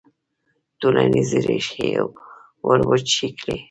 ټولنیزې ریښې وروچې کړي.